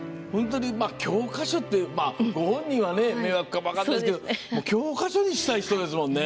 教科書というか、ご本人は迷惑かもしれないですけど教科書にしたい人ですもんね。